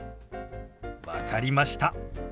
分かりました。